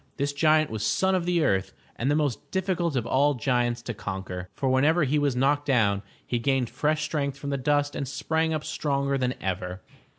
This giant was son of the earth, and the most difficult of all giants to conquer, for whenever he was knocked down, he gained fresh strength from the dust and sprang up stronger than ever.